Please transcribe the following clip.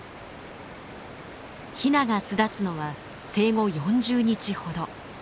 ヒナが巣立つのは生後４０日ほど。